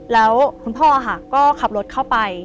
แล้วคุณพ่อค่ะก็ขับรถเข้าไป